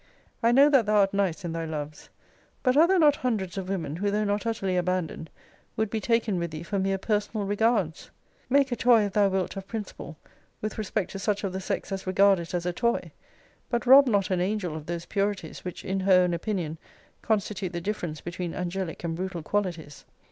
I know that thou art nice in thy loves. But are there not hundreds of women, who, though not utterly abandoned, would be taken with thee for mere personal regards! Make a toy, if thou wilt, of principle, with respect to such of the sex as regard it as a toy; but rob not an angel of those purities, which, in her own opinion, constitute the difference between angelic and brutal qualities.